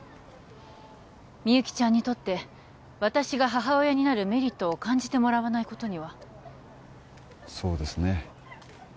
みゆきちゃんにとって私が母親になるメリットを感じてもらわないことにはそうですね